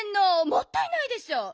もったいないでしょう。